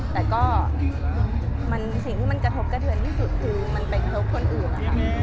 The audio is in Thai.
แต่ก็สิ่งที่มันกระทบกระเทือนที่สุดคือมันไปกระทบคนอื่น